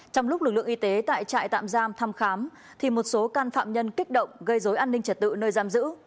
trong lúc lực lượng y tế tại trại tạm giam thăm khám thì một số can phạm nhân kích động gây dối an ninh trật tự nơi giam giữ